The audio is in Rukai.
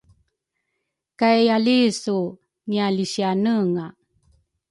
kay alisu ngililisianenga.